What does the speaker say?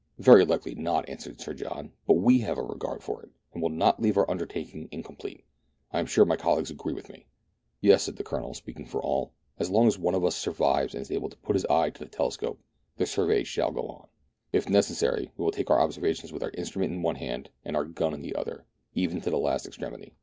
"Very likely not," answered Sir John ;" but zve have a regard for it, and will not leave our undertaking incomplete. I am sure my colleagues agree with me." " Yes," said the Colonel, speaking for all ;" as long as one of us survives, and is able to put his eye to his telescope, the survey shall go on. If necessary, we will take our observations with our instrument in one hand and our gun in the other, even to^ the last extremity."